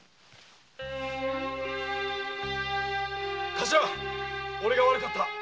カシラおれが悪かった。